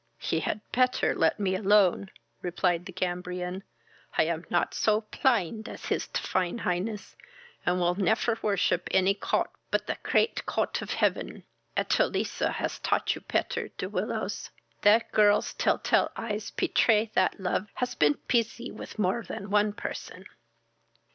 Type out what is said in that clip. "He had petter let me alone, (replied the Cambrian,) I am not so plind as his tivine highness, and will nefer worship any cot put the crate Cot of heaven. Eteliza has taught you petter, De Willows: That girl's tell tale eyes petray that luf has been pusy with more than one person."